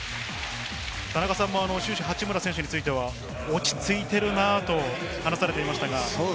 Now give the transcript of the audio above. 終始、八村選手については落ち着いているなと話されていましたが。